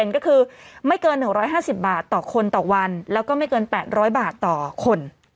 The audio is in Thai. ก็คือไม่เกิน๑๕๐บาทต่อคนต่อวันแล้วก็ไม่เกิน๘๐๐บาทต่อคน